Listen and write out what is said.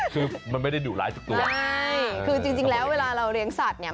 คือมันไม่ได้ดุร้ายทุกตัวใช่คือจริงจริงแล้วเวลาเราเลี้ยงสัตว์เนี่ย